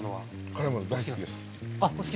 辛いの大好きです。